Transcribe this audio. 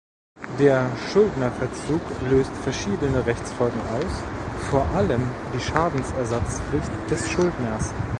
Der Schuldnerverzug löst verschiedene Rechtsfolgen aus, vor allem die Schadensersatzpflicht des Schuldners.